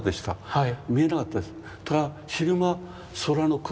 はい。